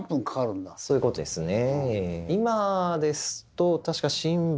そういうことですね。